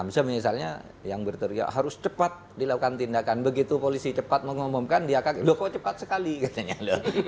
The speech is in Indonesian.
tapi si fahri hamzah misalnya yang berturiga harus cepat dilakukan tindakan begitu polisi cepat mengomongkan dia kaget loh kok cepat sekali katanya loh kemarin disuruh cepat gitu kan